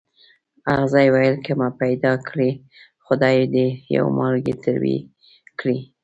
اغزي ویل که مې پیدا کړې خدای دې یو مالګی تروې کړي.